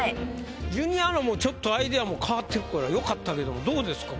ジュニアのもちょっとアイデアも変わってるからよかったけどもどうですか？